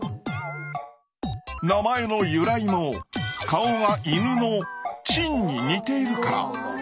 名前の由来も顔が犬の「狆」に似ているから。